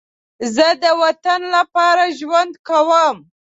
زه د وطن لپاره ژوند کوم